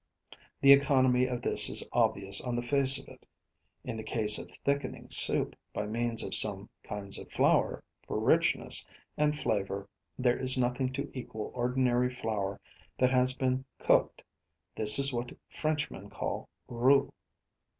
The economy of this is obvious on the face of it. In the case of thickening soup by means of some kinds of flour, for richness and flavour there is nothing to equal ordinary flour that has been cooked. This is what Frenchmen call roux.